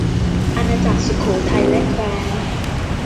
อาณาจักรสุโขทัยและแคว้น